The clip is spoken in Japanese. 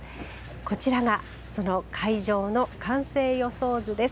こちらがその会場の完成予想図です。